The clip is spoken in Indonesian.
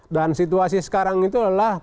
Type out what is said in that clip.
dan situasi sekarang itu adalah